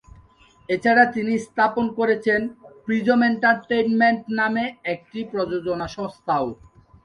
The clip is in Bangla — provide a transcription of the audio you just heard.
এছাড়া তিনি স্থাপন করেছেন প্রিজম এন্টারটেইনমেন্ট নামে একটি প্রযোজনা সংস্থাও।